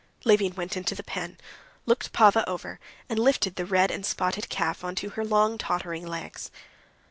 Levin went into the pen, looked Pava over, and lifted the red and spotted calf onto her long, tottering legs.